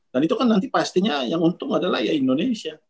dan itu kan nanti pastinya yang untung adalah ya indonesia